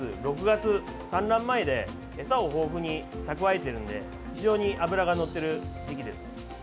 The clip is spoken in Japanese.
産卵前で餌を豊富に蓄えているので非常に脂がのっている時期です。